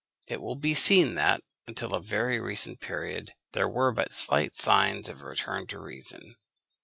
It will be seen that, until a very recent period, there were but slight signs of a return to reason.